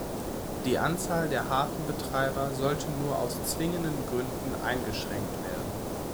Die Anzahl der Hafenbetreiber sollte nur aus zwingenden Gründen eingeschränkt werden.